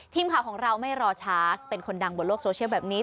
ทีมข่าวของเราไม่รอช้าเป็นคนดังบนโลกโซเชียลแบบนี้